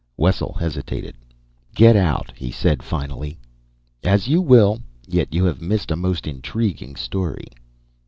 Wessel hesitated. "Get out!" he said finally. "As you will. Yet you have missed a most intriguing story."